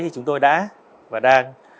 thì chúng tôi đã và đang